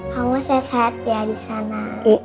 kamu sehat sehat ya di sana